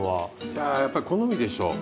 いややっぱり好みでしょう。